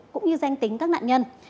cũng như danh tính các nạn nhân